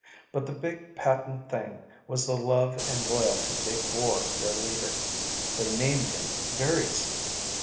But the big patent thing was the love and loyalty they bore their leader. They named him variously?